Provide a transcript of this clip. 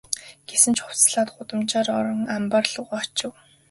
Гэсэн ч хувцаслаад гудамжаар орон амбаар луугаа очив.